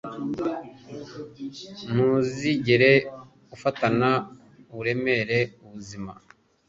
Ntuzigere ufatana uburemere ubuzima.